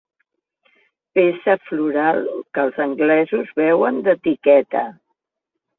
Peça floral que els anglesos veuen d'etiqueta.